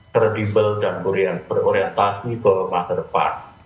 kredibel dan berorientasi ke masa depan